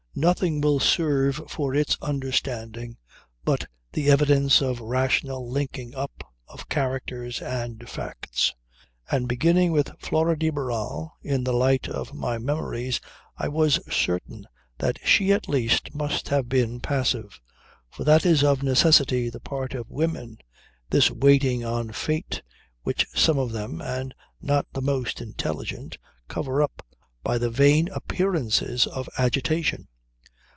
Nothing will serve for its understanding but the evidence of rational linking up of characters and facts. And beginning with Flora de Barral, in the light of my memories I was certain that she at least must have been passive; for that is of necessity the part of women, this waiting on fate which some of them, and not the most intelligent, cover up by the vain appearances of agitation.